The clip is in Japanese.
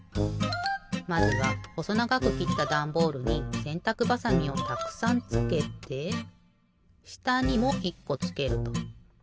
まずはほそながくきったダンボールにせんたくばさみをたくさんつけてしたにも１こつけると。